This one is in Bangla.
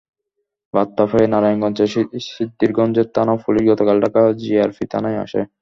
বার্তা পেয়ে নারায়ণগঞ্জের সিদ্ধিরগঞ্জের থানা পুলিশ গতকাল ঢাকা জিআরপি থানায় আসে।